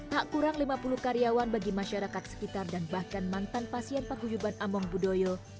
tak kurang lima puluh karyawan bagi masyarakat sekitar dan bahkan mantan pasien paguyuban among budoyo